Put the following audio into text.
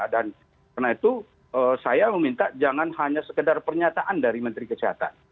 dan karena itu saya meminta jangan hanya sekedar pernyataan dari menteri kesehatan